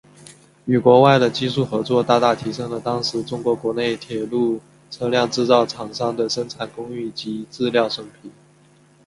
与国外的技术合作大大提升了当时中国国内铁路车辆制造厂商的生产工艺及质量水平。